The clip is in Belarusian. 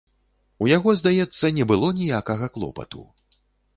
У яго, здаецца, не было ніякага клопату.